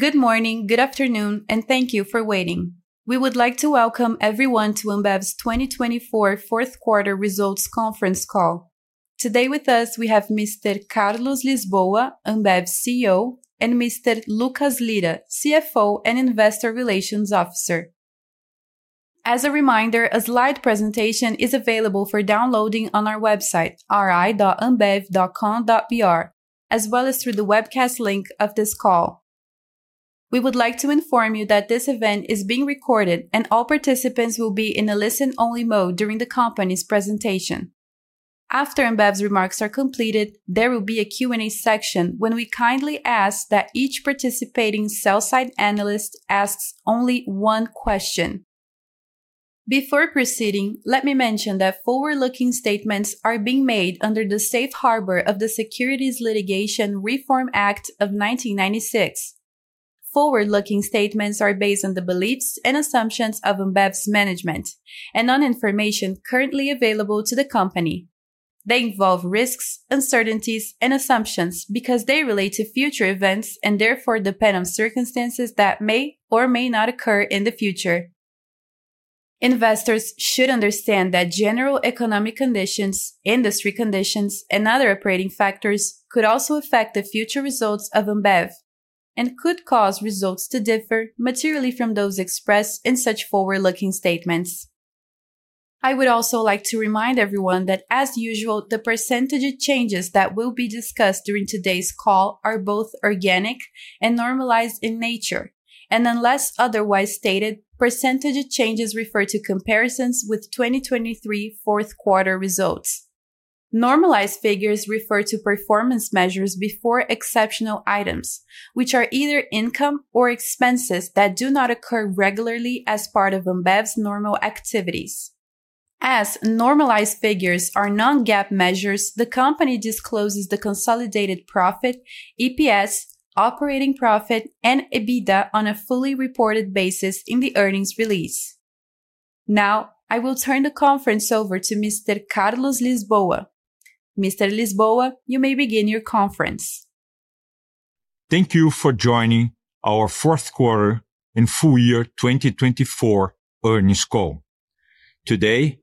Good morning, good afternoon, and thank you for waiting. We would like to welcome everyone to Ambev's 2024 Fourth Quarter Results Conference call. Today with us, we have Mr. Carlos Lisboa, Ambev's CEO, and Mr. Lucas Lira, CFO and Investor Relations Officer. As a reminder, a slide presentation is available for downloading on our website, ri.ambev.com.br, as well as through the webcast link of this call. We would like to inform you that this event is being recorded, and all participants will be in a listen-only mode during the company's presentation. After Ambev's remarks are completed, there will be a Q&A section when we kindly ask that each participating sell-side analyst ask only one question. Before proceeding, let me mention that forward-looking statements are being made under the safe harbor of the Securities Litigation Reform Act of 1996. Forward-looking statements are based on the beliefs and assumptions of Ambev's management and on information currently available to the company. They involve risks, uncertainties, and assumptions because they relate to future events and therefore depend on circumstances that may or may not occur in the future. Investors should understand that general economic conditions, industry conditions, and other operating factors could also affect the future results of Ambev and could cause results to differ materially from those expressed in such forward-looking statements. I would also like to remind everyone that, as usual, the percentage of changes that will be discussed during today's call are both organic and normalized in nature, and unless otherwise stated, percentage of changes refer to comparisons with 2023 Fourth Quarter results. Normalized figures refer to performance measures before exceptional items, which are either income or expenses that do not occur regularly as part of Ambev's normal activities. As normalized figures are non-GAAP measures, the company discloses the consolidated profit, EPS, operating profit, and EBITDA on a fully reported basis in the earnings release. Now, I will turn the conference over to Mr. Carlos Lisboa. Mr. Lisboa, you may begin your conference. Thank you for joining our Fourth Quarter and Full Year 2024 Earnings Call. Today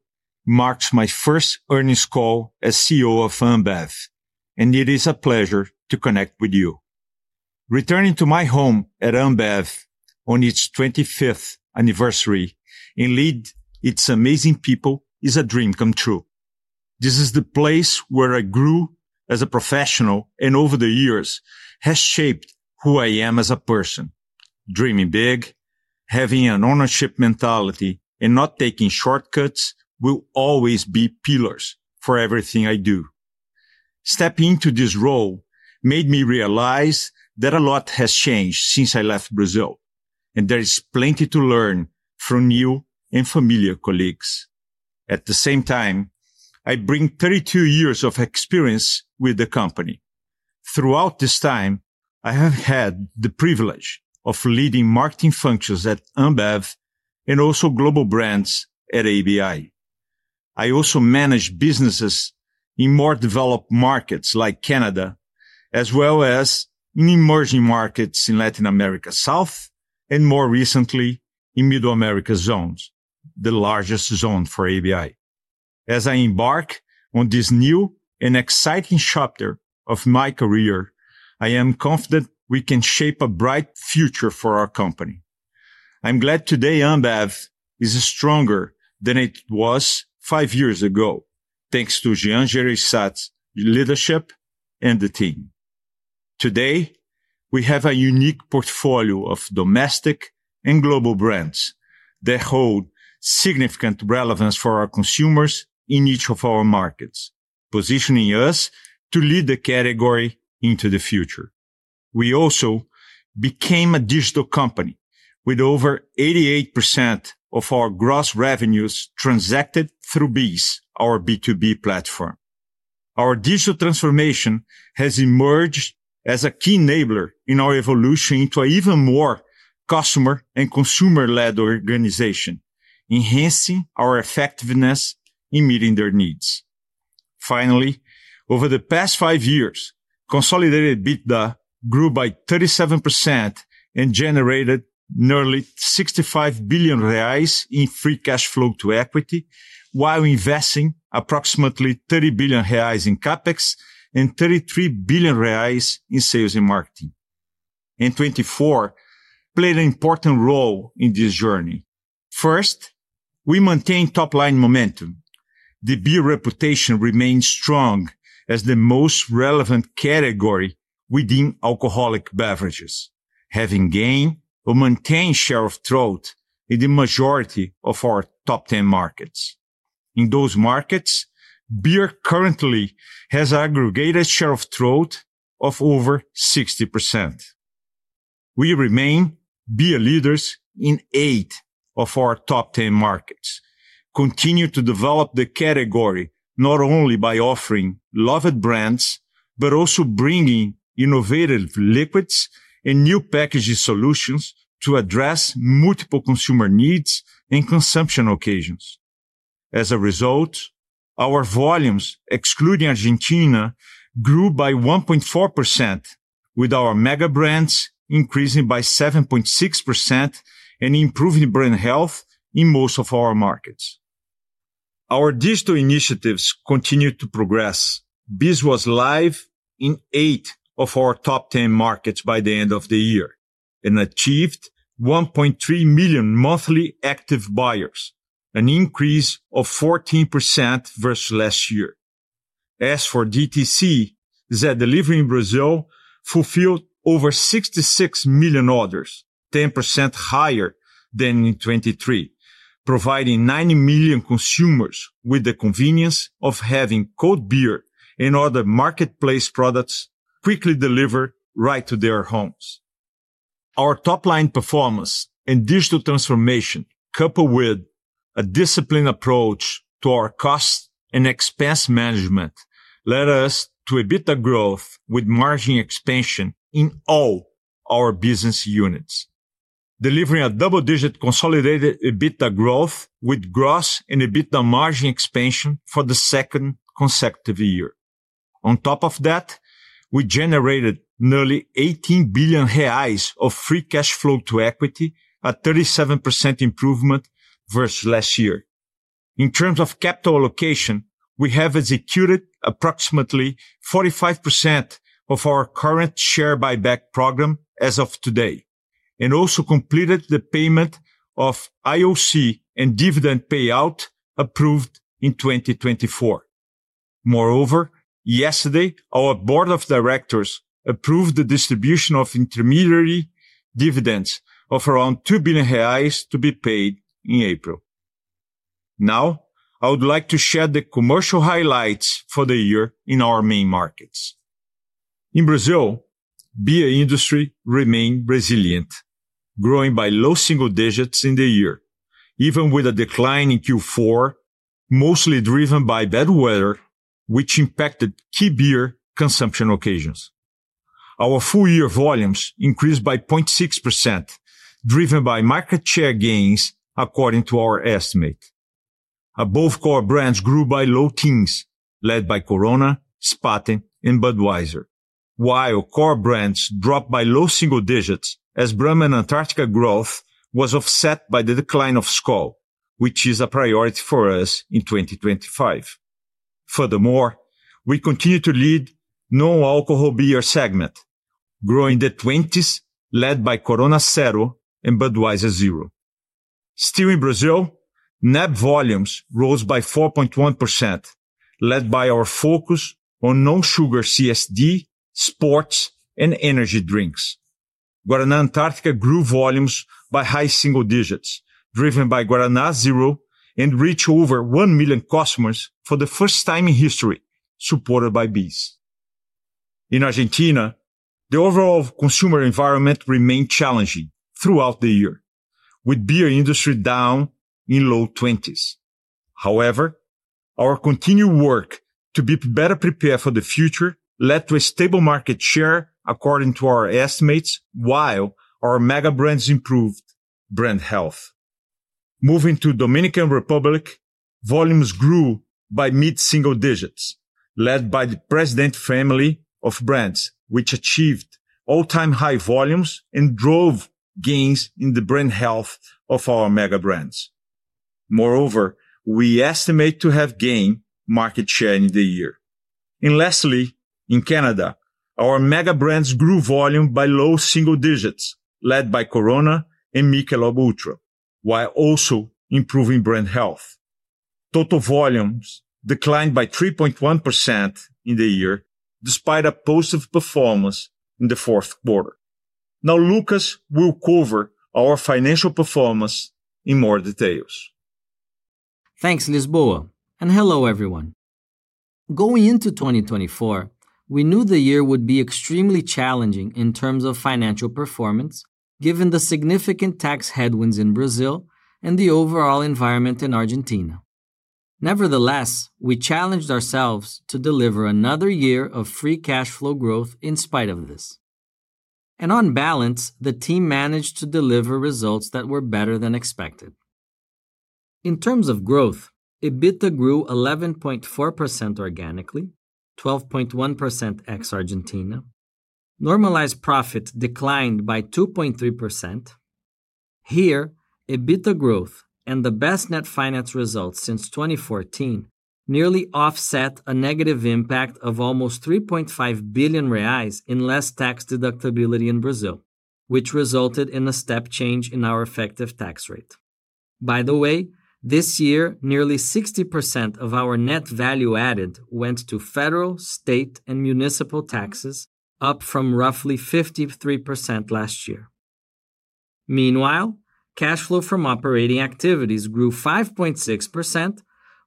marks my first earnings call as CEO of Ambev, and it is a pleasure to connect with you. Returning to my home at Ambev on its 25th anniversary and lead its amazing people is a dream come true. This is the place where I grew as a professional and over the years has shaped who I am as a person. Dreaming big, having an ownership mentality, and not taking shortcuts will always be pillars for everything I do. Stepping into this role made me realize that a lot has changed since I left Brazil, and there is plenty to learn from new and familiar colleagues. At the same time, I bring 32 years of experience with the company. Throughout this time, I have had the privilege of leading marketing functions at Ambev and also global brands at ABI. I also manage businesses in more developed markets like Canada, as well as in emerging markets in Latin America South and, more recently, in Middle Americas Zone, the largest zone for ABI. As I embark on this new and exciting chapter of my career, I am confident we can shape a bright future for our company. I'm glad today Ambev is stronger than it was five years ago thanks to Jean Jereissati's leadership and the team. Today, we have a unique portfolio of domestic and global brands that hold significant relevance for our consumers in each of our markets, positioning us to lead the category into the future. We also became a digital company with over 88% of our gross revenues transacted through BEES, our B2B platform. Our digital transformation has emerged as a key enabler in our evolution into an even more customer and consumer-led organization, enhancing our effectiveness in meeting their needs. Finally, over the past five years, consolidated EBITDA grew by 37% and generated nearly 65 billion reais in free cash flow to equity, while investing approximately 30 billion reais in CapEx and 33 billion reais in sales and marketing. And 2024 played an important role in this journey. First, we maintain top-line momentum. The beer reputation remains strong as the most relevant category within alcoholic beverages, having gained a maintained share of throat in the majority of our top 10 markets. In those markets, beer currently has an aggregated share of throat of over 60%. We remain beer leaders in eight of our top 10 markets. Continue to develop the category not only by offering loved brands, but also bringing innovative liquids and new packaging solutions to address multiple consumer needs and consumption occasions. As a result, our volumes, excluding Argentina, grew by 1.4%, with our mega brands increasing by 7.6% and improving brand health in most of our markets. Our digital initiatives continue to progress. BEES was live in eight of our top 10 markets by the end of the year and achieved 1.3 million monthly active buyers, an increase of 14% versus last year. As for DTC, Zé Delivery in Brazil fulfilled over 66 million orders, 10% higher than in 2023, providing 90 million consumers with the convenience of having cold beer and other marketplace products quickly delivered right to their homes. Our top-line performance and digital transformation, coupled with a disciplined approach to our cost and expense management, led us to EBITDA growth with margin expansion in all our business units, delivering a double-digit consolidated EBITDA growth with gross and EBITDA margin expansion for the second consecutive year. On top of that, we generated nearly 18 billion reais of free cash flow to equity, a 37% improvement versus last year. In terms of capital allocation, we have executed approximately 45% of our current share buyback program as of today and also completed the payment of IOC and dividend payout approved in 2024. Moreover, yesterday, our board of directors approved the distribution of intermediary dividends of around 2 billion reais to be paid in April. Now, I would like to share the commercial highlights for the year in our main markets. In Brazil, beer industry remained resilient, growing by low single digits in the year, even with a decline in Q4, mostly driven by bad weather, which impacted key beer consumption occasions. Our full year volumes increased by 0.6%, driven by market share gains, according to our estimate. Above-core brands grew by low teens, led by Corona, Spaten, and Budweiser, while core brands dropped by low single digits as Brahma and Antarctica growth was offset by the decline of Skol, which is a priority for us in 2025. Furthermore, we continue to lead non-alcoholic beer segment, growing in the 20s, led by Corona Zero and Budweiser Zero. Still in Brazil, NAB volumes rose by 4.1%, led by our focus on non-sugar CSD, sports, and energy drinks. Guaraná Antarctica grew volumes by high single digits, driven by Guaraná Zero and reached over 1 million customers for the first time in history, supported by BEES. In Argentina, the overall consumer environment remained challenging throughout the year, with beer industry down in the low 20s. However, our continued work to be better prepared for the future led to a stable market share, according to our estimates, while our mega brands improved brand health. Moving to the Dominican Republic, volumes grew by mid-single digits, led by the Presidente family of brands, which achieved all-time high volumes and drove gains in the brand health of our mega brands. Moreover, we estimate to have gained market share in the year. And lastly, in Canada, our mega brands grew volume by low single digits, led by Corona and Michelob Ultra, while also improving brand health. Total volumes declined by 3.1% in the year, despite a positive performance in the fourth quarter. Now, Lucas will cover our financial performance in more detail. Thanks, Lisboa. And hello, everyone. Going into 2024, we knew the year would be extremely challenging in terms of financial performance, given the significant tax headwinds in Brazil and the overall environment in Argentina. Nevertheless, we challenged ourselves to deliver another year of free cash flow growth in spite of this. And on balance, the team managed to deliver results that were better than expected. In terms of growth, EBITDA grew 11.4% organically, 12.1% ex-Argentina. Normalized profit declined by 2.3%. Here, EBITDA growth and the best net finance results since 2014 nearly offset a negative impact of almost 3.5 billion reais in less tax deductibility in Brazil, which resulted in a step change in our effective tax rate. By the way, this year, nearly 60% of our net value added went to federal, state, and municipal taxes, up from roughly 53% last year. Meanwhile, cash flow from operating activities grew 5.6%,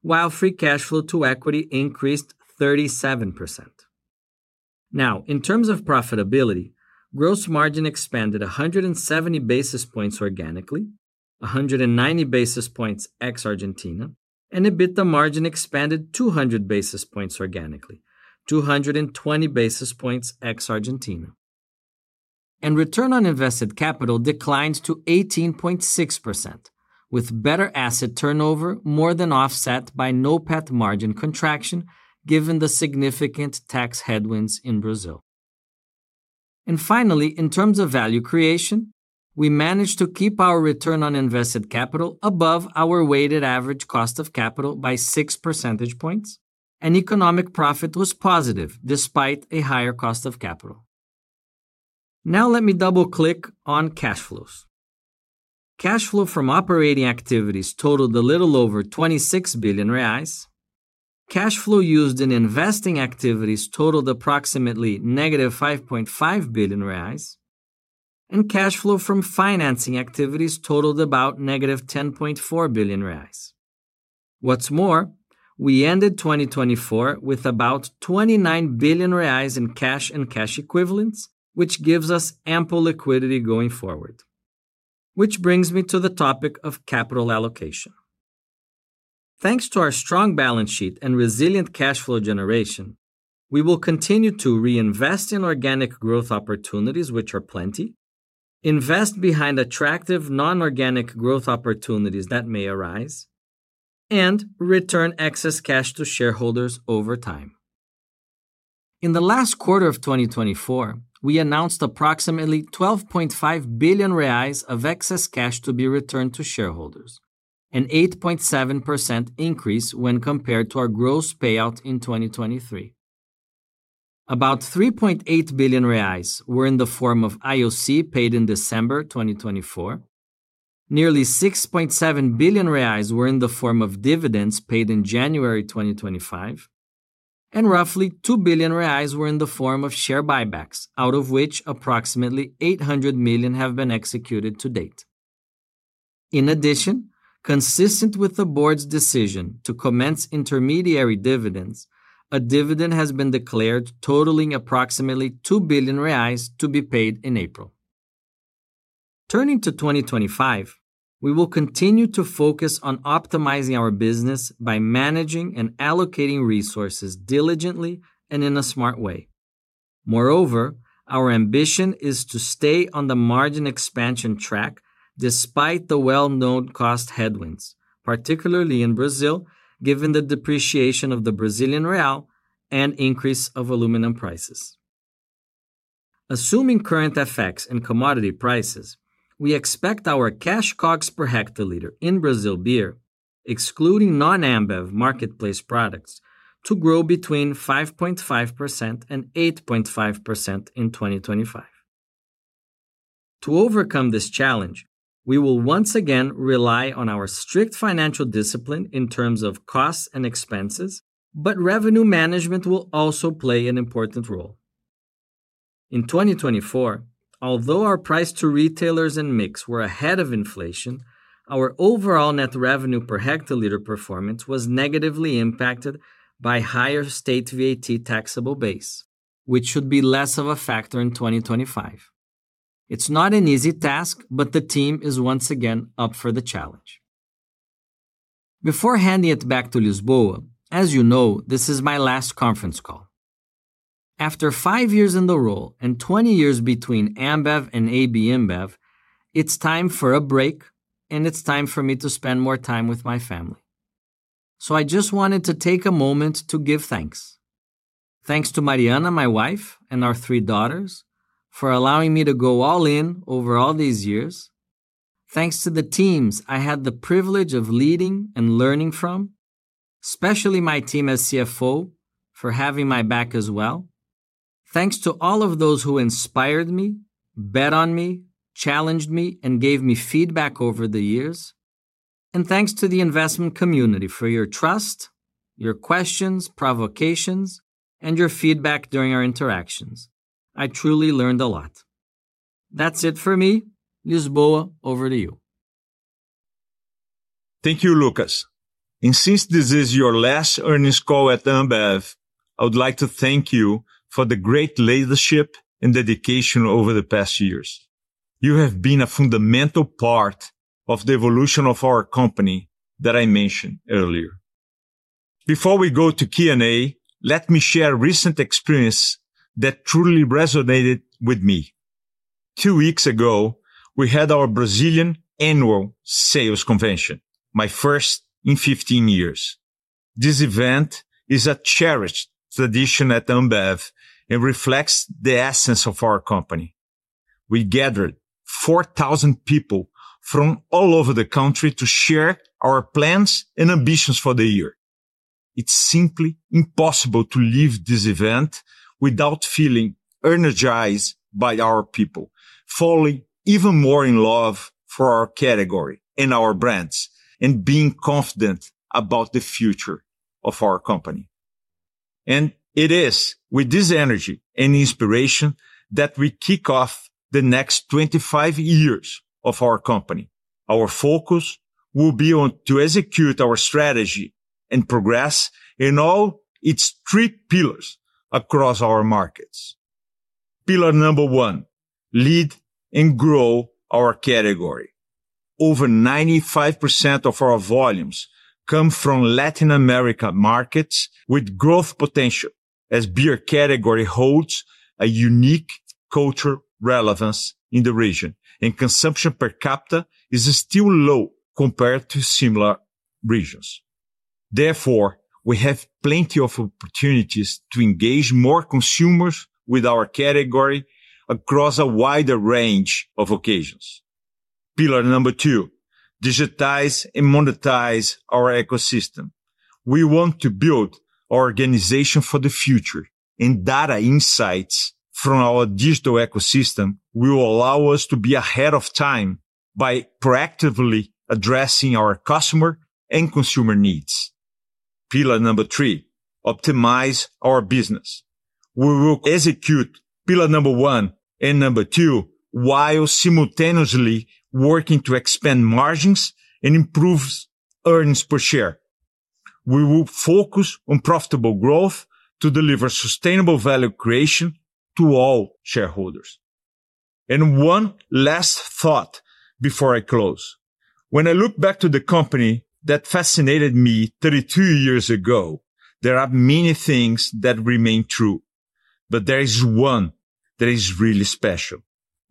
while free cash flow to equity increased 37%. Now, in terms of profitability, gross margin expanded 170 basis points organically, 190 basis points ex-Argentina, and EBITDA margin expanded 200 basis points organically, 220 basis points ex-Argentina, and return on invested capital declined to 18.6%, with better asset turnover more than offset by net margin contraction, given the significant tax headwinds in Brazil, and finally, in terms of value creation, we managed to keep our return on invested capital above our weighted average cost of capital by 6 percentage points, and economic profit was positive despite a higher cost of capital. Now, let me double-click on cash flows. Cash flow from operating activities totaled a little over 26 billion reais. Cash flow used in investing activities totaled approximately -5.5 billion reais. Cash flow from financing activities totaled about negative 10.4 billion reais. What's more, we ended 2024 with about 29 billion reais in cash and cash equivalents, which gives us ample liquidity going forward. Which brings me to the topic of capital allocation. Thanks to our strong balance sheet and resilient cash flow generation, we will continue to reinvest in organic growth opportunities, which are plenty, invest behind attractive non-organic growth opportunities that may arise, and return excess cash to shareholders over time. In the last quarter of 2024, we announced approximately 12.5 billion reais of excess cash to be returned to shareholders, an 8.7% increase when compared to our gross payout in 2023. About 3.8 billion reais were in the form of IOC paid in December 2024. Nearly 6.7 billion reais were in the form of dividends paid in January 2025. Roughly 2 billion reais were in the form of share buybacks, out of which approximately 800 million have been executed to date. In addition, consistent with the board's decision to commence intermediary dividends, a dividend has been declared, totaling approximately 2 billion reais to be paid in April. Turning to 2025, we will continue to focus on optimizing our business by managing and allocating resources diligently and in a smart way. Moreover, our ambition is to stay on the margin expansion track despite the well-known cost headwinds, particularly in Brazil, given the depreciation of the Brazilian real and increase of aluminum prices. Assuming current effects and commodity prices, we expect our cash COGS per hectoliter in Brazil beer, excluding non-Ambev marketplace products, to grow between 5.5% and 8.5% in 2025. To overcome this challenge, we will once again rely on our strict financial discipline in terms of costs and expenses, but revenue management will also play an important role. In 2024, although our price to retailers and mix were ahead of inflation, our overall net revenue per hectoliter performance was negatively impacted by higher state VAT taxable base, which should be less of a factor in 2025. It's not an easy task, but the team is once again up for the challenge. Before handing it back to Lisboa, as you know, this is my last conference call. After five years in the role and 20 years between Ambev and AB InBev, it's time for a break, and it's time for me to spend more time with my family. So I just wanted to take a moment to give thanks. Thanks to Mariana, my wife, and our three daughters for allowing me to go all in over all these years. Thanks to the teams I had the privilege of leading and learning from, especially my team as CFO, for having my back as well. Thanks to all of those who inspired me, bet on me, challenged me, and gave me feedback over the years. And thanks to the investment community for your trust, your questions, provocations, and your feedback during our interactions. I truly learned a lot. That's it for me. Lisboa, over to you. Thank you, Lucas, and since this is your last earnings call at Ambev, I would like to thank you for the great leadership and dedication over the past years. You have been a fundamental part of the evolution of our company that I mentioned earlier. Before we go to Q&A, let me share a recent experience that truly resonated with me. Two weeks ago, we had our Brazilian annual sales convention, my first in 15 years. This event is a cherished tradition at Ambev and reflects the essence of our company. We gathered 4,000 people from all over the country to share our plans and ambitions for the year. It's simply impossible to leave this event without feeling energized by our people, falling even more in love for our category and our brands, and being confident about the future of our company. And it is with this energy and inspiration that we kick off the next 25 years of our company. Our focus will be on to execute our strategy and progress in all its three pillars across our markets. Pillar number one, lead and grow our category. Over 95% of our volumes come from Latin American markets with growth potential, as beer category holds a unique cultural relevance in the region, and consumption per capita is still low compared to similar regions. Therefore, we have plenty of opportunities to engage more consumers with our category across a wider range of occasions. Pillar number two, digitize and monetize our ecosystem. We want to build our organization for the future, and data insights from our digital ecosystem will allow us to be ahead of time by proactively addressing our customer and consumer needs. Pillar number three, optimize our business. We will execute pillar number one and number two while simultaneously working to expand margins and improve earnings per share. We will focus on profitable growth to deliver sustainable value creation to all shareholders, and one last thought before I close. When I look back to the company that fascinated me 32 years ago, there are many things that remain true, but there is one that is really special: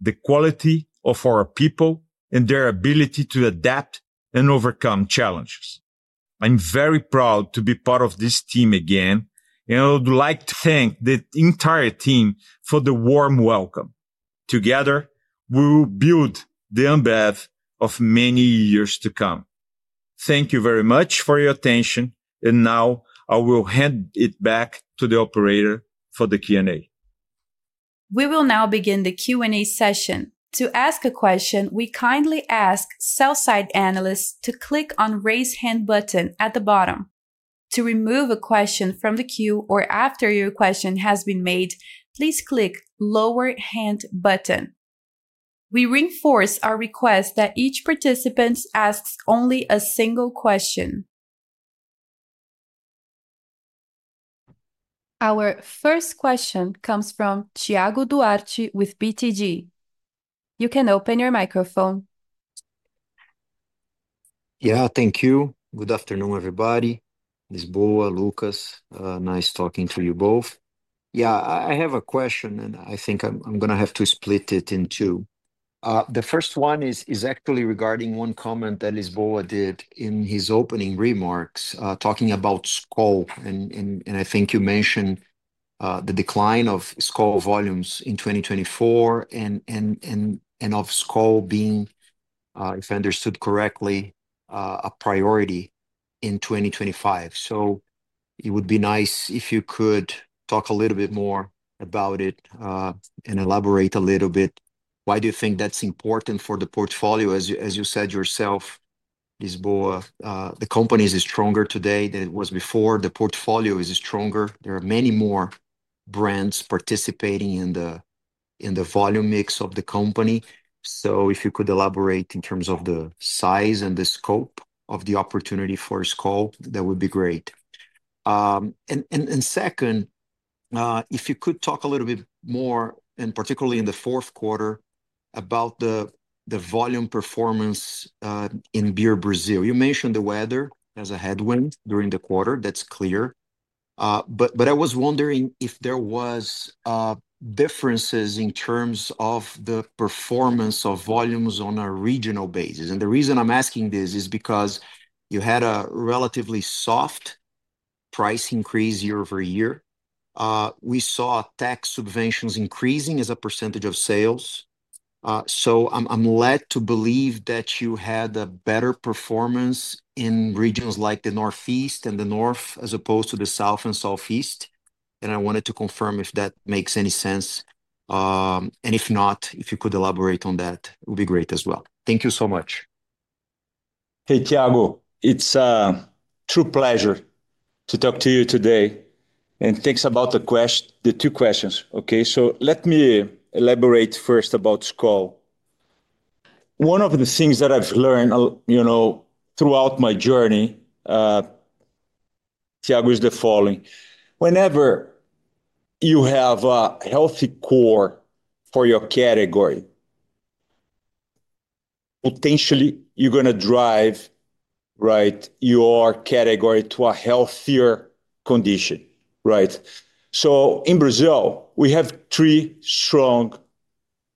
the quality of our people and their ability to adapt and overcome challenges. I'm very proud to be part of this team again, and I would like to thank the entire team for the warm welcome. Together, we will build the Ambev of many years to come. Thank you very much for your attention, and now I will hand it back to the operator for the Q&A. We will now begin the Q&A session. To ask a question, we kindly ask sell-side analysts to click on the raise hand button at the bottom. To remove a question from the queue or after your question has been made, please click the lower hand button. We reinforce our request that each participant asks only a single question. Our first question comes from Tiago Duarte with BTG. You can open your microphone. Yeah, thank you. Good afternoon, everybody. Lisboa, Lucas, nice talking to you both. Yeah, I have a question, and I think I'm going to have to split it in two. The first one is actually regarding one comment that Lisboa did in his opening remarks, talking about Skol, and I think you mentioned the decline of Skol volumes in 2024 and of Skol being, if I understood correctly, a priority in 2025. So it would be nice if you could talk a little bit more about it and elaborate a little bit. Why do you think that's important for the portfolio? As you said yourself, Lisboa, the company is stronger today than it was before. The portfolio is stronger. There are many more brands participating in the volume mix of the company. So if you could elaborate in terms of the size and the scope of the opportunity for Skol, that would be great. And second, if you could talk a little bit more, and particularly in the fourth quarter, about the volume performance in Beer Brazil. You mentioned the weather as a headwind during the quarter. That's clear. But I was wondering if there were differences in terms of the performance of volumes on a regional basis. And the reason I'm asking this is because you had a relatively soft price increase year over year. We saw tax subsidies increasing as a percentage of sales. So I'm led to believe that you had a better performance in regions like the Northeast and the North, as opposed to the South and Southeast. And I wanted to confirm if that makes any sense. If not, if you could elaborate on that, it would be great as well. Thank you so much. Hey, Tiago, it's a true pleasure to talk to you today. And thinking about the question, the two questions, okay? So let me elaborate first about Skol. One of the things that I've learned throughout my journey, Tiago, is the following. Whenever you have a healthy core for your category, potentially you're going to drive your category to a healthier condition. So in Brazil, we have three strong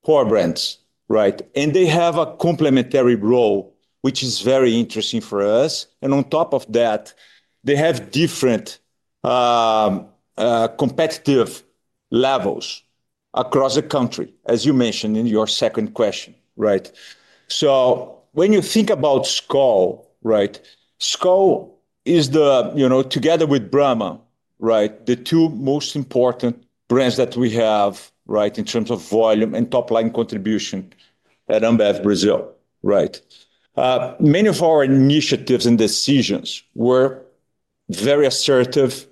core brands, and they have a complementary role, which is very interesting for us. And on top of that, they have different competitive levels across the country, as you mentioned in your second question. So when you think about Skol, Skol is the, together with Brahma, the two most important brands that we have in terms of volume and top-line contribution at Ambev Brazil. Many of our initiatives and decisions were very assertive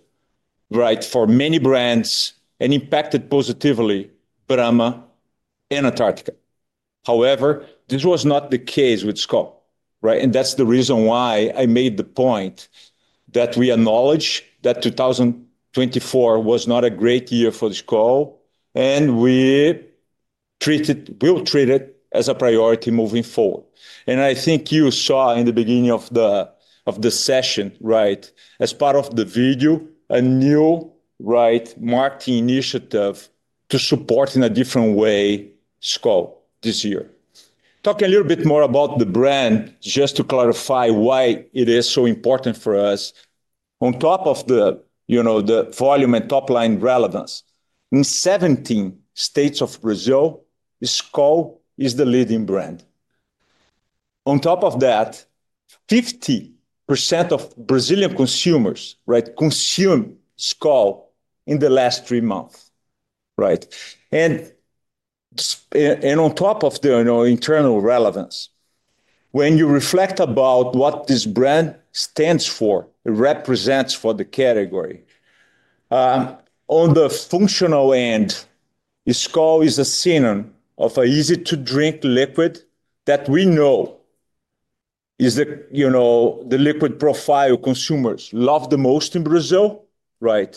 for many brands and impacted positively Brahma and Antarctica. However, this was not the case with Skol. And that's the reason why I made the point that we acknowledge that 2024 was not a great year for Skol, and we will treat it as a priority moving forward. And I think you saw in the beginning of the session, as part of the video, a new marketing initiative to support in a different way Skol this year. Talking a little bit more about the brand, just to clarify why it is so important for us, on top of the volume and top-line relevance, in 17 states of Brazil, Skol is the leading brand. On top of that, 50% of Brazilian consumers consumed Skol in the last three months. And on top of the internal relevance, when you reflect about what this brand stands for, it represents for the category. On the functional end, Skol is a synonym of an easy-to-drink liquid that we know is the liquid profile consumers love the most in Brazil. And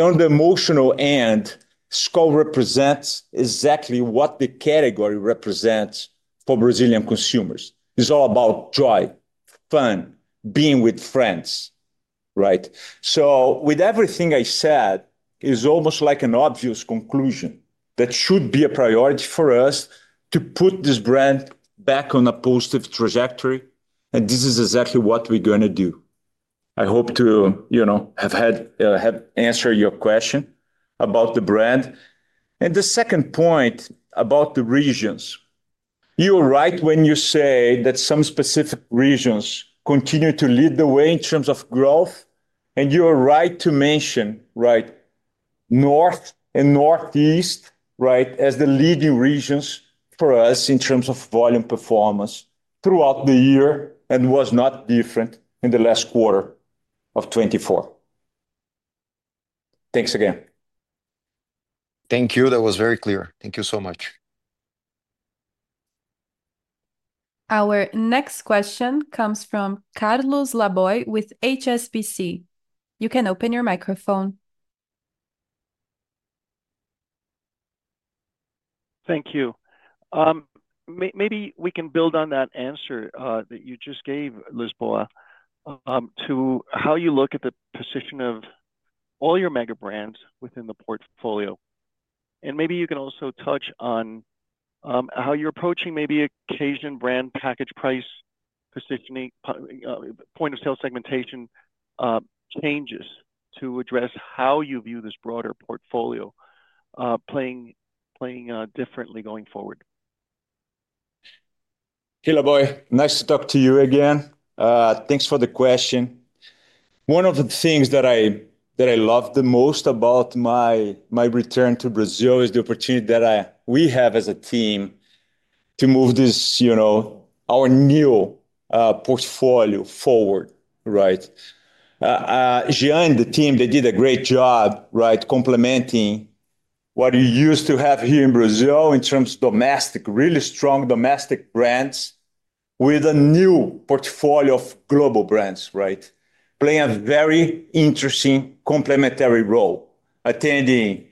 on the emotional end, Skol represents exactly what the category represents for Brazilian consumers. It's all about joy, fun, being with friends. So with everything I said, it's almost like an obvious conclusion that should be a priority for us to put this brand back on a positive trajectory. And this is exactly what we're going to do. I hope to have answered your question about the brand. And the second point about the regions, you're right when you say that some specific regions continue to lead the way in terms of growth. You're right to mention North and Northeast as the leading regions for us in terms of volume performance throughout the year and was not different in the last quarter of 2024. Thanks again. Thank you. That was very clear. Thank you so much. Our next question comes from Carlos Laboy with HSBC. You can open your microphone. Thank you. Maybe we can build on that answer that you just gave, Lisboa, to how you look at the position of all your mega brands within the portfolio. And maybe you can also touch on how you're approaching maybe occasion brand package price positioning, point of sale segmentation changes to address how you view this broader portfolio playing differently going forward. Hello, Laboy. Nice to talk to you again. Thanks for the question. One of the things that I love the most about my return to Brazil is the opportunity that we have as a team to move our new portfolio forward. Jean and the team, they did a great job complementing what you used to have here in Brazil in terms of domestic, really strong domestic brands with a new portfolio of global brands, playing a very interesting complementary role, attending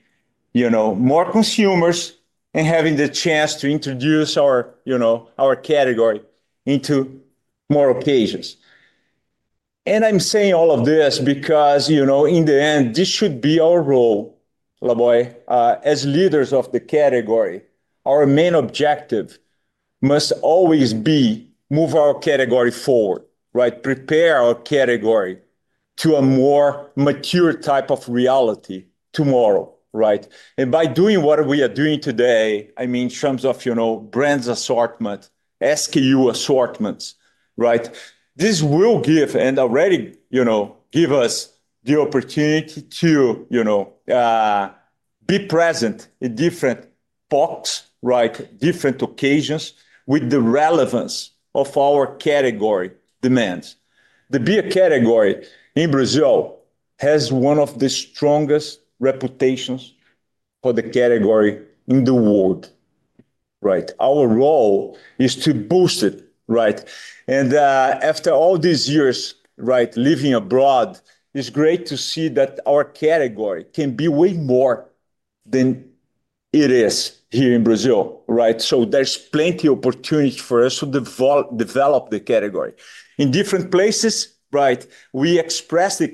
more consumers and having the chance to introduce our category into more occasions, and I'm saying all of this because in the end, this should be our role, Laboy, as leaders of the category. Our main objective must always be to move our category forward, prepare our category to a more mature type of reality tomorrow. And by doing what we are doing today, I mean in terms of brands assortment, SKU assortments, this will give and already give us the opportunity to be present in different box, different occasions with the relevance of our category demands. The beer category in Brazil has one of the strongest reputations for the category in the world. Our role is to boost it. And after all these years living abroad, it's great to see that our category can be way more than it is here in Brazil. So there's plenty of opportunity for us to develop the category. In different places, we express the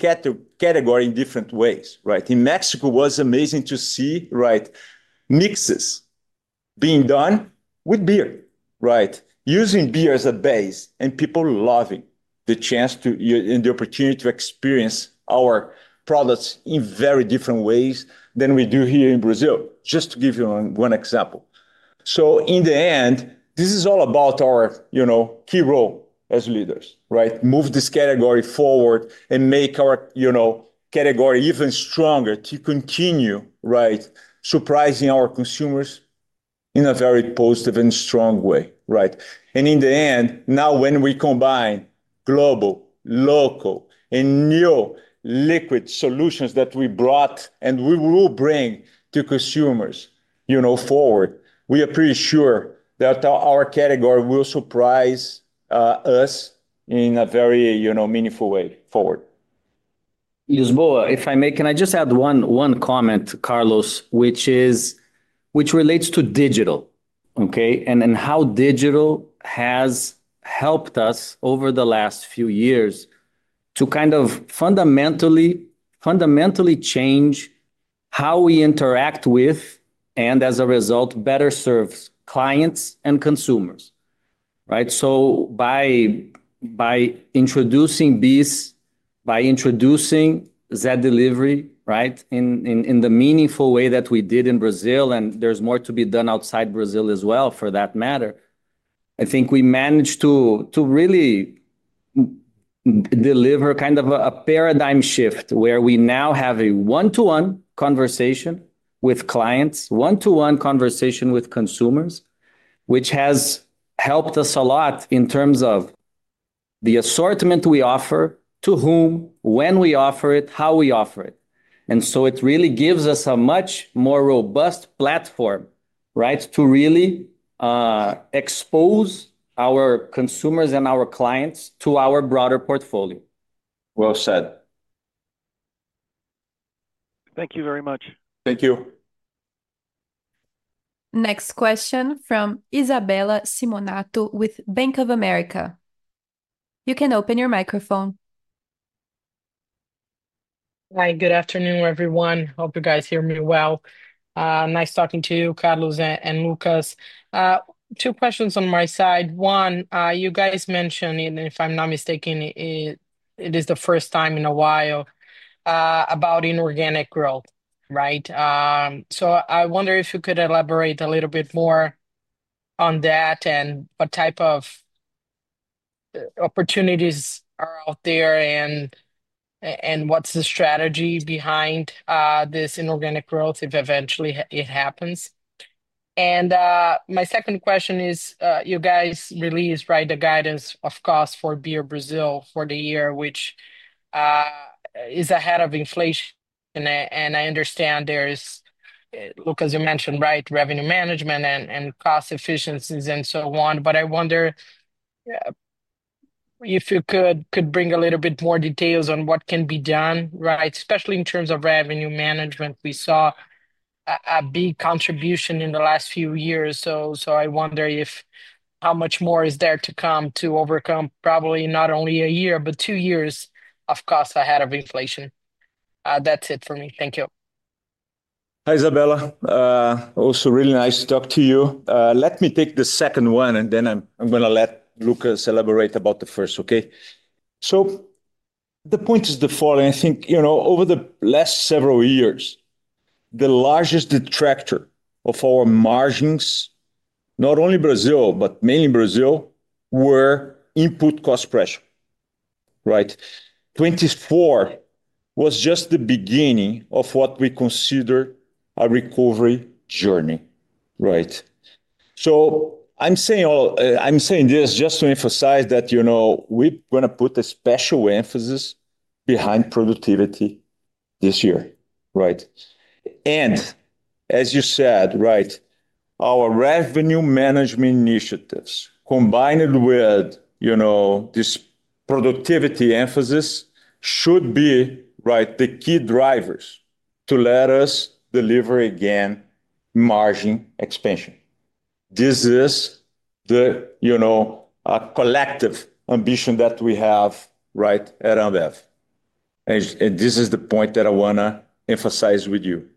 category in different ways. In Mexico, it was amazing to see mixes being done with beer, using beer as a base, and people loving the chance and the opportunity to experience our products in very different ways than we do here in Brazil, just to give you one example. So in the end, this is all about our key role as leaders, move this category forward and make our category even stronger to continue surprising our consumers in a very positive and strong way. And in the end, now when we combine global, local, and new liquid solutions that we brought and we will bring to consumers forward, we are pretty sure that our category will surprise us in a very meaningful way forward. Lisboa, if I may, can I just add one comment, Carlos, which relates to digital and how digital has helped us over the last few years to kind of fundamentally change how we interact with and as a result, better serve clients and consumers. So by introducing BEES, by introducing Zé Delivery in the meaningful way that we did in Brazil, and there's more to be done outside Brazil as well for that matter, I think we managed to really deliver kind of a paradigm shift where we now have a one-to-one conversation with clients, one-to-one conversation with consumers, which has helped us a lot in terms of the assortment we offer, to whom, when we offer it, how we offer it. And so it really gives us a much more robust platform to really expose our consumers and our clients to our broader portfolio. Well said. Thank you very much. Thank you. Next question from Isabella Simonato with Bank of America. You can open your microphone. Hi, good afternoon, everyone. Hope you guys hear me well. Nice talking to you, Carlos and Lucas. Two questions on my side. One, you guys mentioned, and if I'm not mistaken, it is the first time in a while about inorganic growth. So I wonder if you could elaborate a little bit more on that and what type of opportunities are out there and what's the strategy behind this inorganic growth if eventually it happens. And my second question is, you guys released the guidance of cost for beer Brazil for the year, which is ahead of inflation. And I understand there's, Lucas, you mentioned revenue management and cost efficiencies and so on. But I wonder if you could bring a little bit more details on what can be done, especially in terms of revenue management. We saw a big contribution in the last few years. So, I wonder how much more is there to come to overcome probably not only a year, but two years of cost ahead of inflation. That's it for me. Thank you. Hi, Isabella. Also really nice to talk to you. Let me take the second one, and then I'm going to let Lucas elaborate about the first, okay? So the point is the following. I think over the last several years, the largest detractor of our margins, not only Brazil, but mainly Brazil, were input cost pressure. 2024 was just the beginning of what we consider a recovery journey. So I'm saying this just to emphasize that we're going to put a special emphasis behind productivity this year. And as you said, our revenue management initiatives combined with this productivity emphasis should be the key drivers to let us deliver again margin expansion. This is the collective ambition that we have at Ambev. And this is the point that I want to emphasize with you.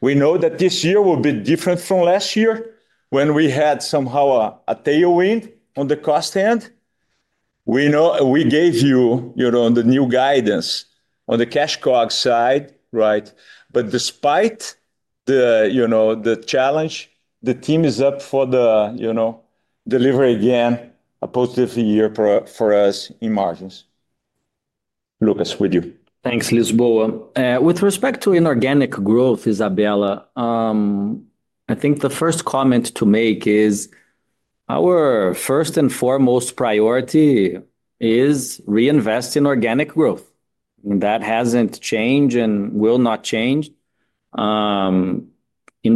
We know that this year will be different from last year when we had somehow a tailwind on the cost end. We gave you the new guidance on the cash COGS side. But despite the challenge, the team is up for the delivery again, a positive year for us in margins. Lucas, with you. Thanks, Lisboa. With respect to inorganic growth, Isabella, I think the first comment to make is our first and foremost priority is reinvest in organic growth. That hasn't changed and will not change, in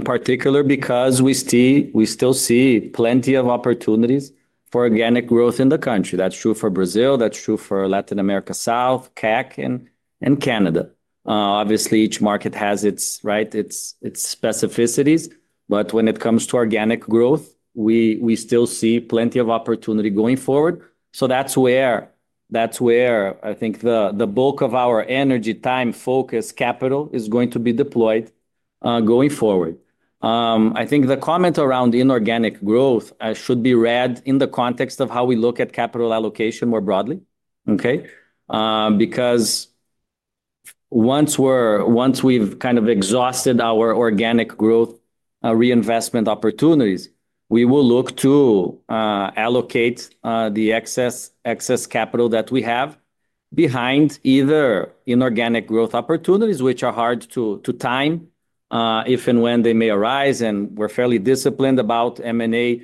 particular because we still see plenty of opportunities for organic growth in the country. That's true for Brazil. That's true for Latin America South, CAC, and Canada. Obviously, each market has its specificities. But when it comes to organic growth, we still see plenty of opportunity going forward. So that's where I think the bulk of our energy, time, focus, capital is going to be deployed going forward. I think the comment around inorganic growth should be read in the context of how we look at capital allocation more broadly. Because once we've kind of exhausted our organic growth reinvestment opportunities, we will look to allocate the excess capital that we have behind either inorganic growth opportunities, which are hard to time if and when they may arise, and we're fairly disciplined about M&A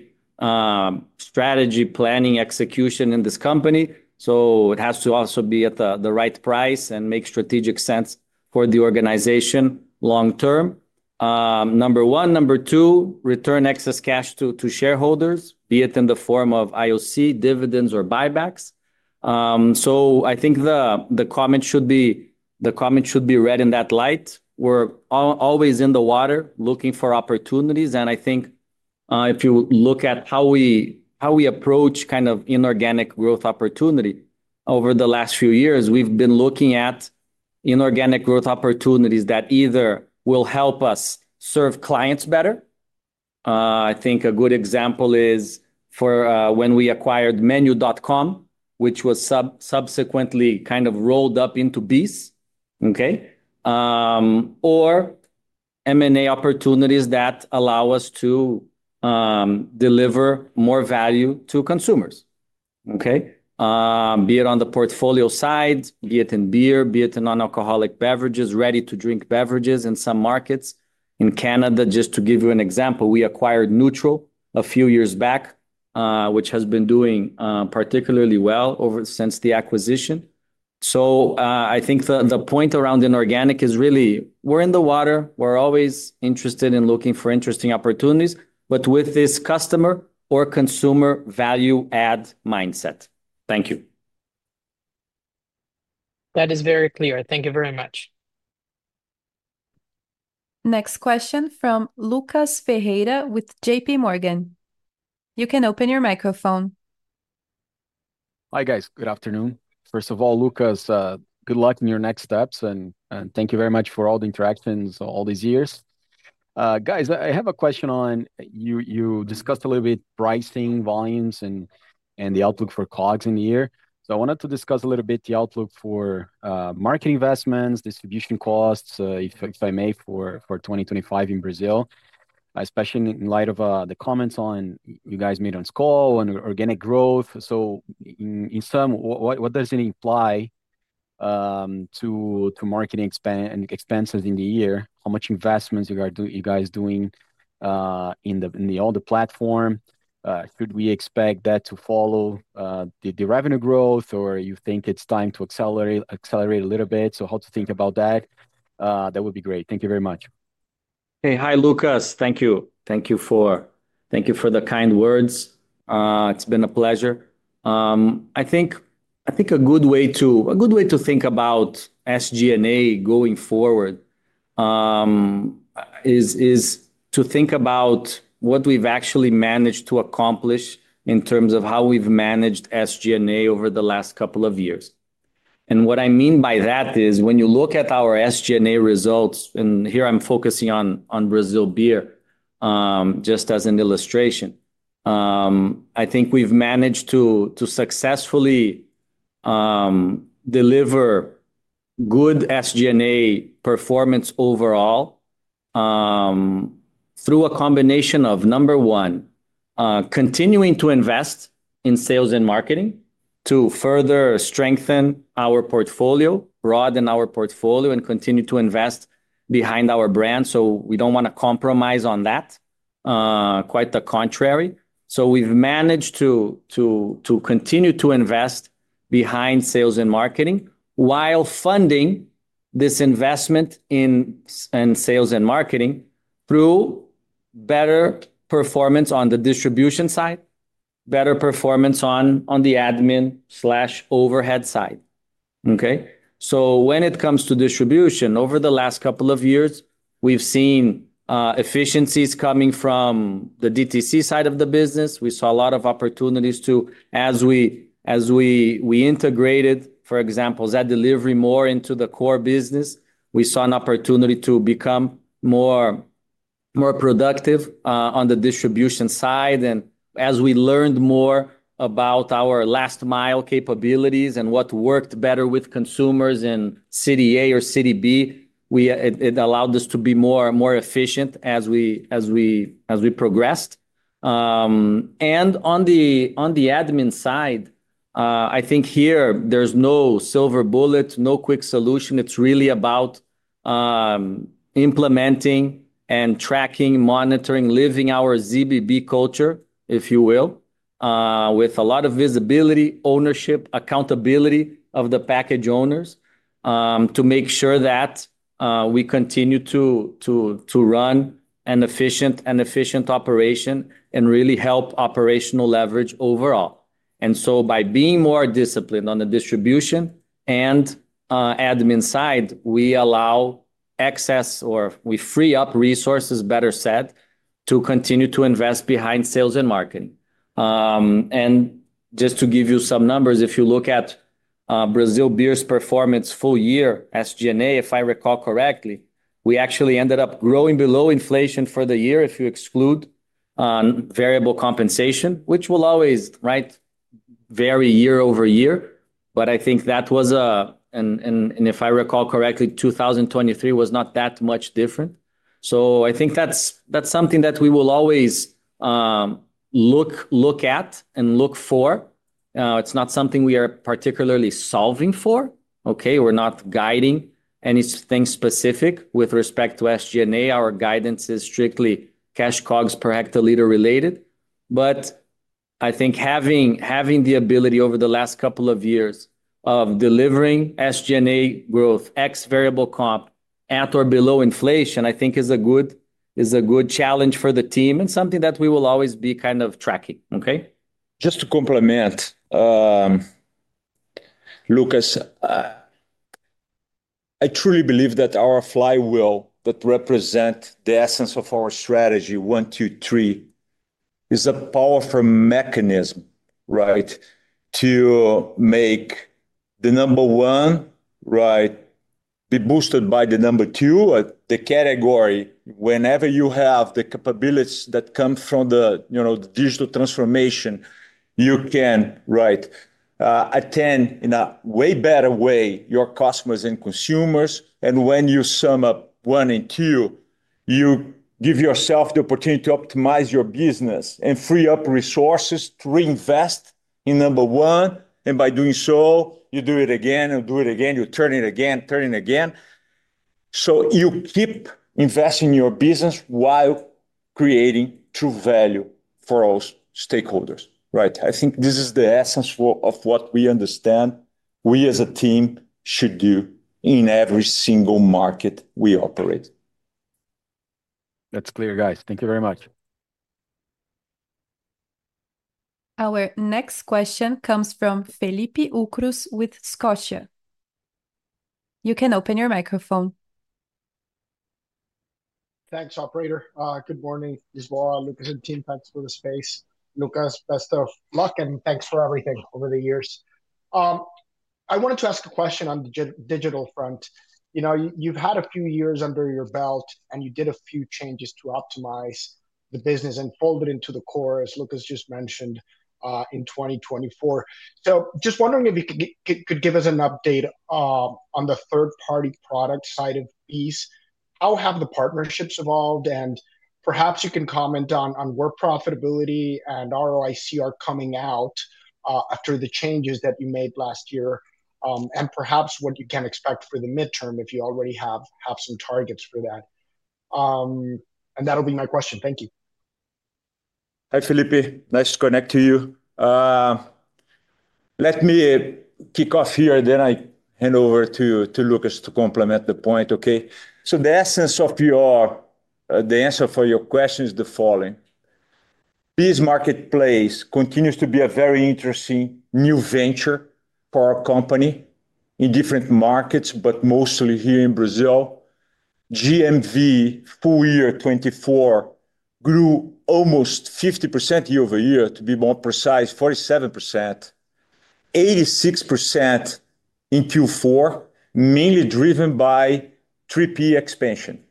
strategy, planning, execution in this company, so it has to also be at the right price and make strategic sense for the organization long term. Number one. Number two, return excess cash to shareholders, be it in the form of IOC, dividends, or buybacks, so I think the comment should be read in that light. We're always in the water looking for opportunities, and I think if you look at how we approach kind of inorganic growth opportunity over the last few years, we've been looking at inorganic growth opportunities that either will help us serve clients better. I think a good example is when we acquired Menu.com, which was subsequently kind of rolled up into BEES, or M&A opportunities that allow us to deliver more value to consumers, be it on the portfolio side, be it in beer, be it in non-alcoholic beverages, ready-to-drink beverages in some markets. In Canada, just to give you an example, we acquired Nütrl a few years back, which has been doing particularly well since the acquisition. So I think the point around inorganic is really we're in the water. We're always interested in looking for interesting opportunities, but with this customer or consumer value-add mindset. Thank you. That is very clear. Thank you very much. Next question from Lucas Ferreira with JPMorgan. You can open your microphone. Hi, guys. Good afternoon. First of all, Lucas, good luck in your next steps, and thank you very much for all the interactions all these years. Guys, I have a question on what you discussed a little bit pricing, volumes, and the outlook for COGS in the year. So I wanted to discuss a little bit the outlook for market investments, distribution costs, if I may, for 2025 in Brazil, especially in light of the comments that you guys made on Skol and organic growth. So in sum, what does it imply to marketing expenses in the year? How much investment are you guys doing in all the platform? Should we expect that to follow the revenue growth, or you think it's time to accelerate a little bit? So how to think about that? That would be great. Thank you very much. Hey, hi, Lucas. Thank you. Thank you for the kind words. It's been a pleasure. I think a good way to think about SG&A going forward is to think about what we've actually managed to accomplish in terms of how we've managed SG&A over the last couple of years. And what I mean by that is when you look at our SG&A results, and here I'm focusing on Brazil beer just as an illustration, I think we've managed to successfully deliver good SG&A performance overall through a combination of, number one, continuing to invest in sales and marketing to further strengthen our portfolio, broaden our portfolio, and continue to invest behind our brand. So we don't want to compromise on that, quite the contrary. So we've managed to continue to invest behind sales and marketing while funding this investment in sales and marketing through better performance on the distribution side, better performance on the admin/overhead side. So when it comes to distribution, over the last couple of years, we've seen efficiencies coming from the DTC side of the business. We saw a lot of opportunities too, as we integrated, for example, Zé Delivery more into the core business. We saw an opportunity to become more productive on the distribution side. And as we learned more about our last-mile capabilities and what worked better with consumers in City A or City B, it allowed us to be more efficient as we progressed. And on the admin side, I think here there's no silver bullet, no quick solution. It's really about implementing and tracking, monitoring, living our ZBB culture, if you will, with a lot of visibility, ownership, accountability of the package owners to make sure that we continue to run an efficient operation and really help operational leverage overall. And so by being more disciplined on the distribution and admin side, we allow access or we free up resources, better said, to continue to invest behind sales and marketing. And just to give you some numbers, if you look at Brazil beer's performance full year, SG&A, if I recall correctly, we actually ended up growing below inflation for the year if you exclude variable compensation, which will always vary year over year. But I think that was, and if I recall correctly, 2023 was not that much different. So I think that's something that we will always look at and look for. It's not something we are particularly solving for. We're not guiding anything specific with respect to SG&A. Our guidance is strictly Cash COGS per hectoliter related. But I think having the ability over the last couple of years of delivering SG&A growth, ex variable comp at or below inflation, I think is a good challenge for the team and something that we will always be kind of tracking. Just to complement, Lucas, I truly believe that our flywheel that represents the essence of our strategy, one, two, three, is a powerful mechanism to make the number one be boosted by the number two. The category, whenever you have the capabilities that come from the digital transformation, you can attend in a way better way your customers and consumers. And when you sum up one and two, you give yourself the opportunity to optimize your business and free up resources to reinvest in number one. And by doing so, you do it again and do it again. You turn it again, turn it again. So you keep investing in your business while creating true value for those stakeholders. I think this is the essence of what we understand we as a team should do in every single market we operate. That's clear, guys. Thank you very much. Our next question comes from Felipe Ucros with Scotia. You can open your microphone. Thanks, operator. Good morning, Lisboa, Lucas, and team. Thanks for the space. Lucas, best of luck and thanks for everything over the years. I wanted to ask a question on the digital front. You've had a few years under your belt, and you did a few changes to optimize the business and fold it into the core, as Lucas just mentioned, in 2024. So just wondering if you could give us an update on the third-party product side of BEES. How have the partnerships evolved? And perhaps you can comment on where profitability and ROIC are coming out after the changes that you made last year and perhaps what you can expect for the midterm if you already have some targets for that. And that'll be my question. Thank you. Hi, Felipe. Nice to connect to you. Let me kick off here, then I hand over to Lucas to complement the point, so the essence of the answer for your question is the following. BEES Marketplace continues to be a very interesting new venture for our company in different markets, but mostly here in Brazil. GMV full year 2024 grew almost 50% year over year, to be more precise, 47%, 86% in Q4, mainly driven by 3P expansion.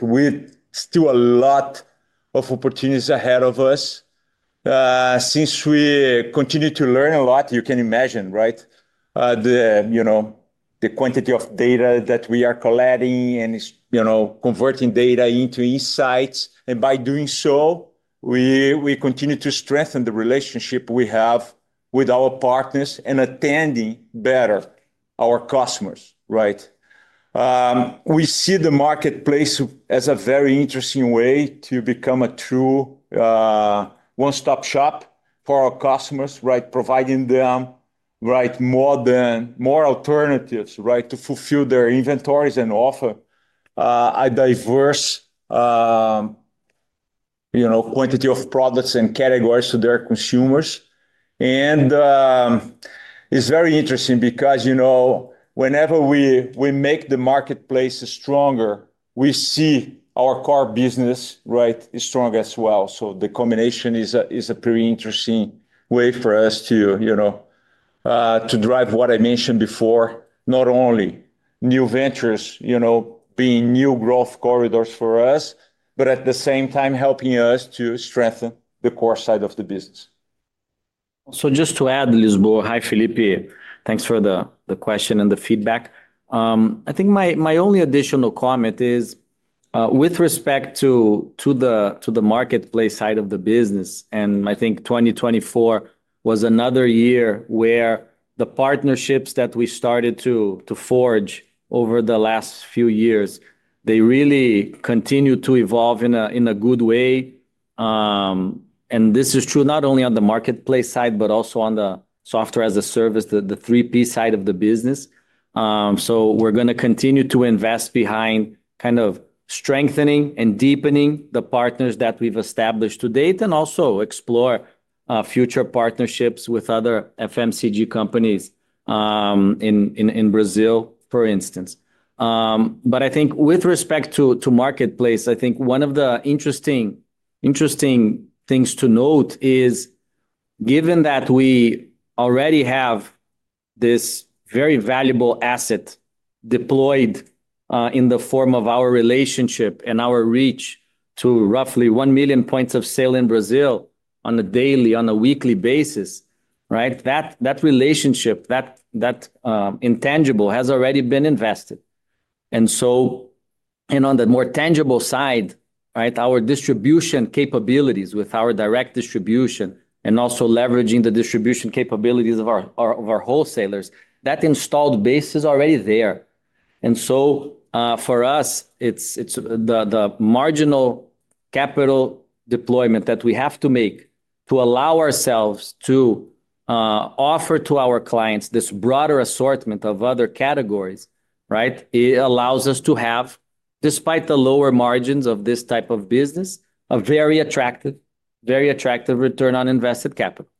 We still have a lot of opportunities ahead of us. Since we continue to learn a lot, you can imagine the quantity of data that we are collecting and converting data into insights, and by doing so, we continue to strengthen the relationship we have with our partners and attending better our customers. We see the marketplace as a very interesting way to become a true one-stop shop for our customers, providing them more alternatives to fulfill their inventories and offer a diverse quantity of products and categories to their consumers, and it's very interesting because whenever we make the marketplace stronger, we see our core business is strong as well, so the combination is a pretty interesting way for us to drive what I mentioned before, not only new ventures being new growth corridors for us, but at the same time helping us to strengthen the core side of the business. Just to add, Lisboa, hi, Felipe. Thanks for the question and the feedback. I think my only additional comment is with respect to the marketplace side of the business. I think 2024 was another year where the partnerships that we started to forge over the last few years, they really continue to evolve in a good way. This is true not only on the marketplace side, but also on the software as a service, the 3P side of the business. We're going to continue to invest behind kind of strengthening and deepening the partners that we've established to date and also explore future partnerships with other FMCG companies in Brazil, for instance. But I think with respect to marketplace, I think one of the interesting things to note is given that we already have this very valuable asset deployed in the form of our relationship and our reach to roughly 1 million points of sale in Brazil on a daily, on a weekly basis, that relationship, that intangible has already been invested. And so on the more tangible side, our distribution capabilities with our direct distribution and also leveraging the distribution capabilities of our wholesalers, that installed base is already there. And so for us, it's the marginal capital deployment that we have to make to allow ourselves to offer to our clients this broader assortment of other categories. It allows us to have, despite the lower margins of this type of business, a very attractive return on invested capital.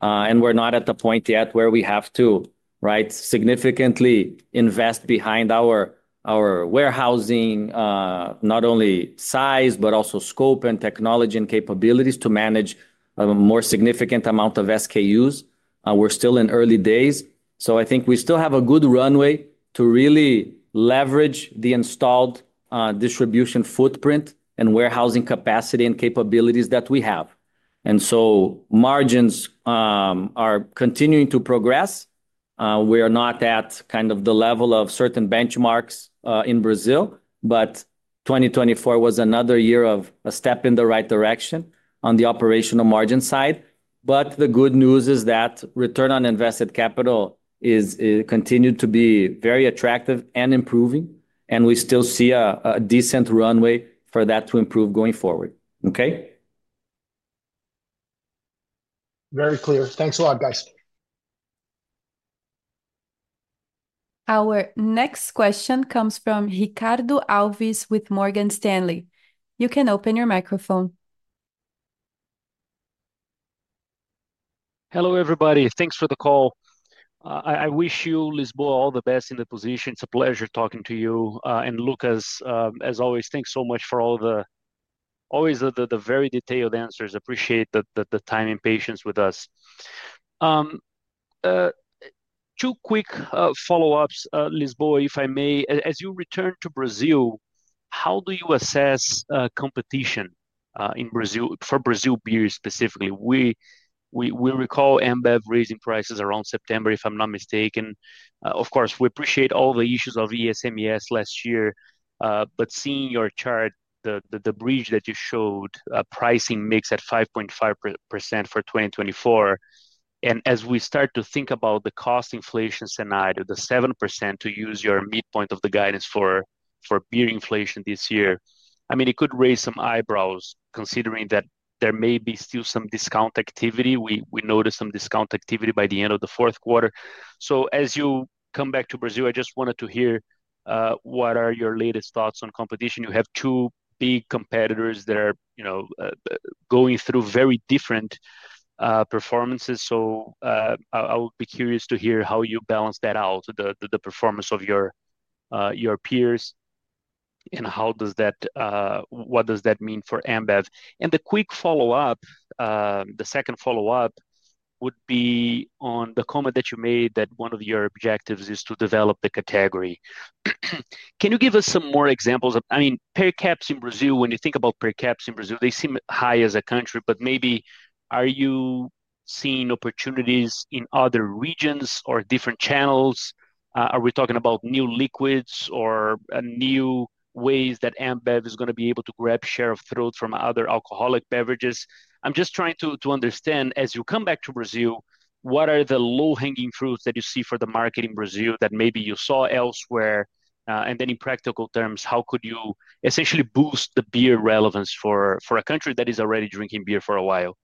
And we're not at the point yet where we have to significantly invest behind our warehousing, not only size, but also scope and technology and capabilities to manage a more significant amount of SKUs. We're still in early days. So I think we still have a good runway to really leverage the installed distribution footprint and warehousing capacity and capabilities that we have. And so margins are continuing to progress. We are not at kind of the level of certain benchmarks in Brazil, but 2024 was another year of a step in the right direction on the operational margin side. But the good news is that return on invested capital continued to be very attractive and improving. And we still see a decent runway for that to improve going forward. Okay? Very clear. Thanks a lot, guys. Our next question comes from Ricardo Alves with Morgan Stanley. You can open your microphone. Hello, everybody. Thanks for the call. I wish you, Lisboa, all the best in the position. It's a pleasure talking to you. And Lucas, as always, thanks so much for always the very detailed answers. Appreciate the time and patience with us. Two quick follow-ups, Lisboa, if I may. As you return to Brazil, how do you assess competition for Brazil beers specifically? We recall Ambev raising prices around September, if I'm not mistaken. Of course, we appreciate all the issues of excess last year. But seeing your chart, the bridge that you showed, pricing mix at 5.5% for 2024. And as we start to think about the cost inflation scenario, the 7% to use your midpoint of the guidance for beer inflation this year, I mean, it could raise some eyebrows considering that there may be still some discount activity. We noticed some discount activity by the end of the fourth quarter. So as you come back to Brazil, I just wanted to hear what are your latest thoughts on competition. You have two big competitors that are going through very different performances. So I would be curious to hear how you balance that out, the performance of your peers, and what does that mean for Ambev, and the quick follow-up, the second follow-up would be on the comment that you made that one of your objectives is to develop the category. Can you give us some more examples? I mean, per caps in Brazil, when you think about per caps in Brazil, they seem high as a country, but maybe are you seeing opportunities in other regions or different channels? Are we talking about new liquids or new ways that Ambev is going to be able to grab share of throat from other alcoholic beverages? I'm just trying to understand, as you come back to Brazil, what are the low-hanging fruit that you see for the market in Brazil that maybe you saw elsewhere? And then in practical terms, how could you essentially boost the beer relevance for a country that is already drinking beer for a while?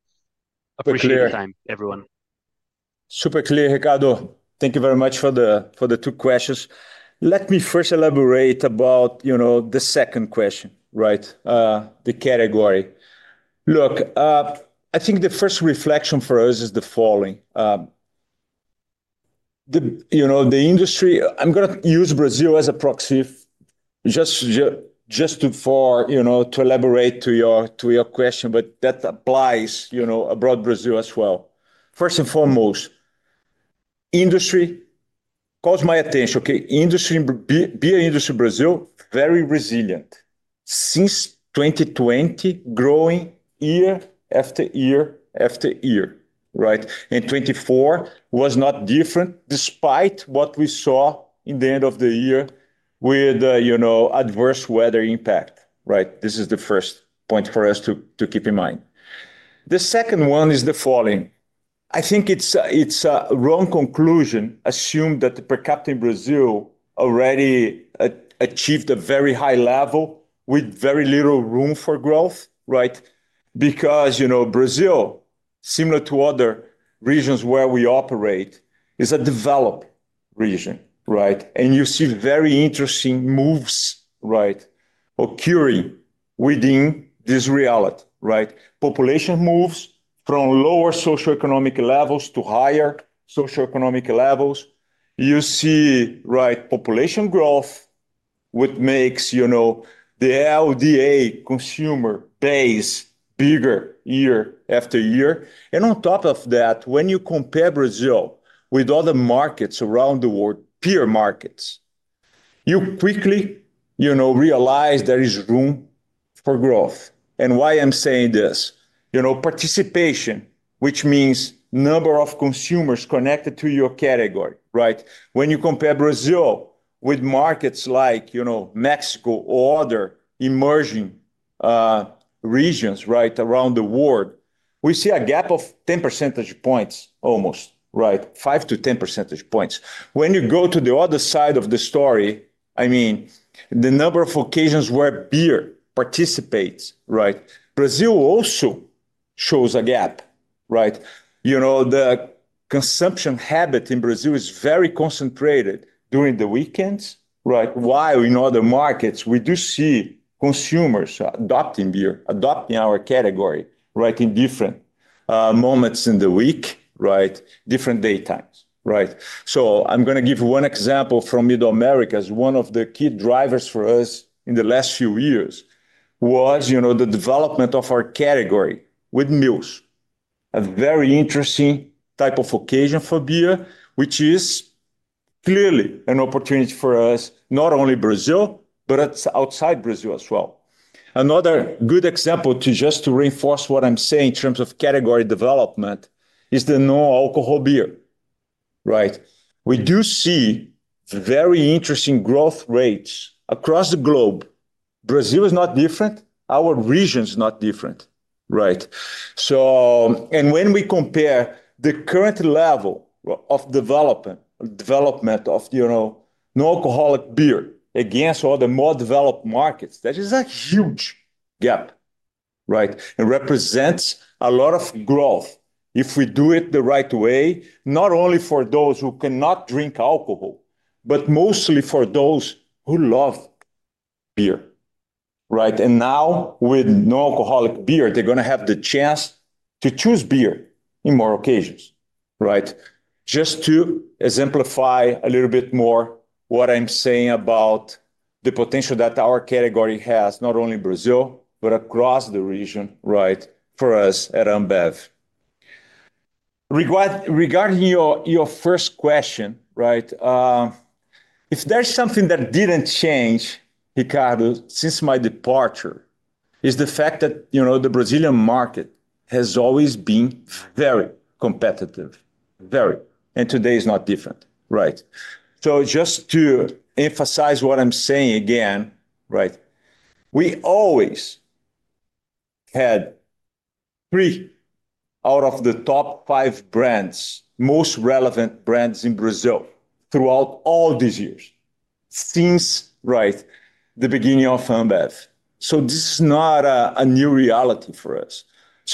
Appreciate your time, everyone. Super clear, Ricardo. Thank you very much for the two questions. Let me first elaborate about the second question, the category. Look, I think the first reflection for us is the following. The industry, I'm going to use Brazil as a proxy just to elaborate on your question, but that applies outside Brazil as well. First and foremost, industry caught my attention. Beer industry Brazil, very resilient. Since 2020, growing year after year after year. 2024 was not different despite what we saw in the end of the year with adverse weather impact. This is the first point for us to keep in mind. The second one is the following. I think it's a wrong conclusion to assume that the per capita in Brazil already achieved a very high level with very little room for growth because Brazil, similar to other regions where we operate, is a developing region. You see very interesting moves occurring within this reality. Population moves from lower socioeconomic levels to higher socioeconomic levels. You see population growth, which makes the LDA consumer base bigger year after year. On top of that, when you compare Brazil with other markets around the world, peer markets, you quickly realize there is room for growth. Why I'm saying this? Participation, which means number of consumers connected to your category. When you compare Brazil with markets like Mexico or other emerging regions around the world, we see a gap of 10 percentage points almost, 5 to 10 percentage points. When you go to the other side of the story, I mean, the number of occasions where beer participates, Brazil also shows a gap. The consumption habit in Brazil is very concentrated during the weekends, while in other markets, we do see consumers adopting beer, adopting our category in different moments in the week, different daytimes, so I'm going to give you one example from Middle America. One of the key drivers for us in the last few years was the development of our category with meals, a very interesting type of occasion for beer, which is clearly an opportunity for us, not only Brazil, but outside Brazil as well. Another good example just to reinforce what I'm saying in terms of category development is the non-alcoholic beer. We do see very interesting growth rates across the globe. Brazil is not different. Our region is not different. And when we compare the current level of development of non-alcoholic beer against all the more developed markets, that is a huge gap and represents a lot of growth if we do it the right way, not only for those who cannot drink alcohol, but mostly for those who love beer. And now with non-alcoholic beer, they're going to have the chance to choose beer in more occasions. Just to exemplify a little bit more what I'm saying about the potential that our category has, not only Brazil, but across the region for us at Ambev. Regarding your first question, if there's something that didn't change, Ricardo, since my departure, is the fact that the Brazilian market has always been very competitive, very, and today is not different. Just to emphasize what I'm saying again, we always had three out of the top five brands, most relevant brands in Brazil throughout all these years since the beginning of Ambev. This is not a new reality for us.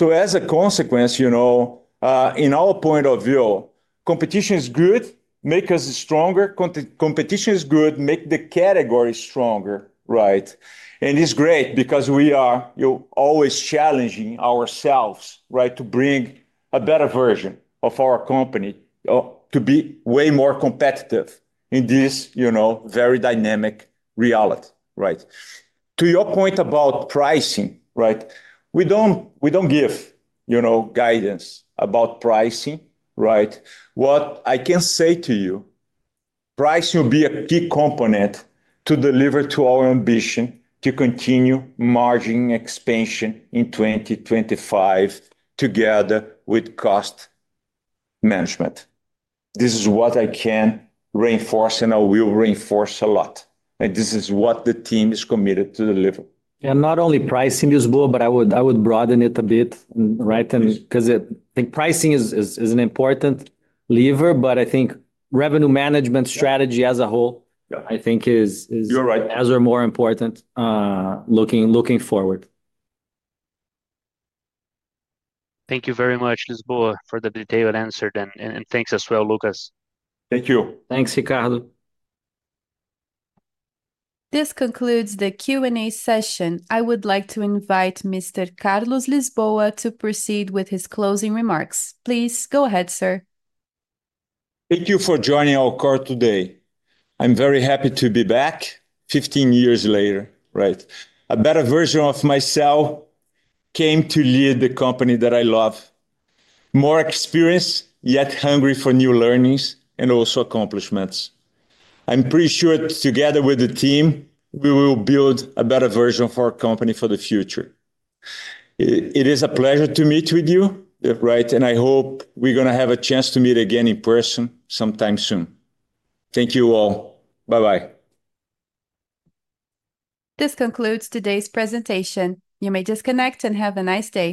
As a consequence, in our point of view, competition is good, makes us stronger. Competition is good, makes the category stronger. It's great because we are always challenging ourselves to bring a better version of our company to be way more competitive in this very dynamic reality. To your point about pricing, we don't give guidance about pricing. What I can say to you, pricing will be a key component to deliver to our ambition to continue margin expansion in 2025 together with cost management. This is what I can reinforce and I will reinforce a lot. This is what the team is committed to deliver. And not only pricing, Lisboa, but I would broaden it a bit. Because I think pricing is an important lever, but I think revenue management strategy as a whole, I think, is as or more important looking forward. Thank you very much, Lisboa, for the detailed answer. And thanks as well, Lucas. Thank you. Thanks, Ricardo. This concludes the Q&A session. I would like to invite Mr. Carlos Lisboa to proceed with his closing remarks. Please go ahead, sir. Thank you for joining our call today. I'm very happy to be back 15 years later. A better version of myself came to lead the company that I love. More experience, yet hungry for new learnings and also accomplishments. I'm pretty sure together with the team, we will build a better version of our company for the future. It is a pleasure to meet with you, and I hope we're going to have a chance to meet again in person sometime soon. Thank you all. Bye-bye. This concludes today's presentation. You may disconnect and have a nice day.